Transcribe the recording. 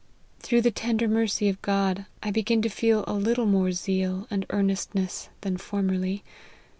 Through the tender mercy of God, I begin to feel a little more zeal and earnest ness than formerly.